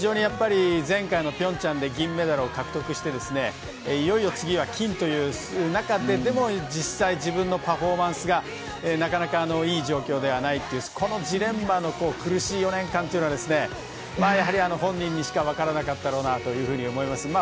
前回の平昌で銀メダルを獲得していよいよ次は金という中ででも実際自分のパフォーマンスがなかなかいい状況ではないというジレンマの苦しい４年間というのは本人にしか分からなかったろうなと思います。